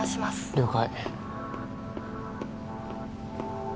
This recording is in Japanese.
了解